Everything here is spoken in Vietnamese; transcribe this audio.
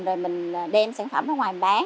rồi mình đem sản phẩm ra ngoài mình bán